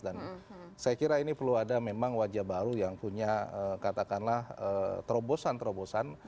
dan saya kira ini perlu ada memang wajah baru yang punya katakanlah terobosan terobosan